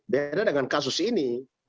beda dengan kasus ini